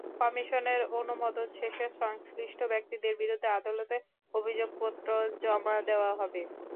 কমিশনের অনুমোদন শেষে সংশ্লিষ্ট ব্যক্তিদের বিরুদ্ধে আদালতে অভিযোগপত্র জমা দেওয়া হবে।